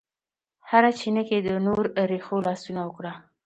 هره چینه کې یې د نور رېښو لاسونه وکړه